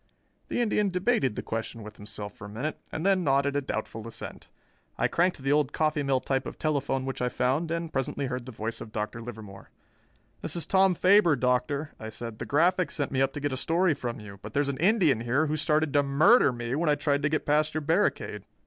The Indian debated the question with himself for a minute and then nodded a doubtful assent. I cranked the old coffee mill type of telephone which I found, and presently heard the voice of Dr. Livermore. "This is Tom Faber, Doctor," I said. "The Graphic sent me up to get a story from you, but there's an Indian here who started to murder me when I tried to get past your barricade."